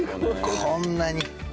こんなに。